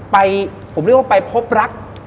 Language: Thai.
ไปผมเรียกว่าไปพบรัก